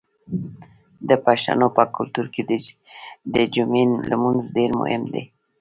د پښتنو په کلتور کې د جمعې لمونځ ډیر مهم دی.